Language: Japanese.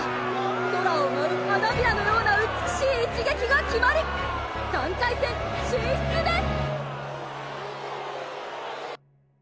空を舞う花びらのような美しい一撃が決まり３回戦進出です！